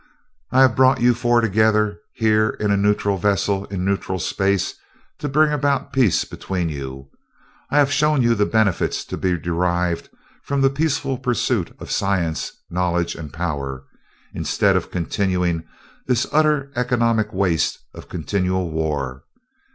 "I have brought you four together, here in a neutral vessel in neutral space, to bring about peace between you. I have shown you the benefits to be derived from the peaceful pursuit of science, knowledge, and power, instead of continuing this utter economic waste of continual war.